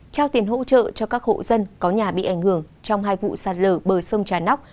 trao tiền hỗ trợ cho các hộ dân có nhà bị ảnh hưởng trong hai vụ sạt lở bờ sông trà nóc